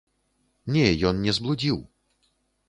Не, ён не зблудзіў.